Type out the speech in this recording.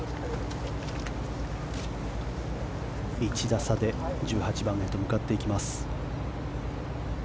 １打差で１８番へと向かっていきます。